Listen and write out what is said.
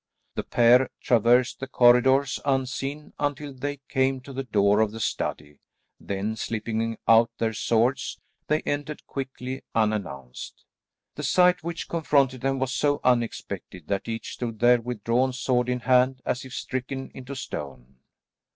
The pair traversed the corridors unseen until they came to the door of the study, then, slipping out their swords, they entered quickly unannounced. The sight which confronted them was so unexpected that each stood there with drawn sword in hand as if stricken into stone.